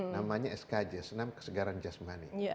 namanya skj senam kesegaran jasmani